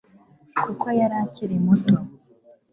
kuko yari akiri muto